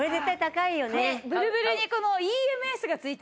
ブルブルにこの。